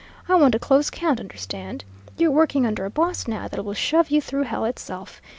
I want a close count, understand. You're working under a boss now that will shove you through hell itself.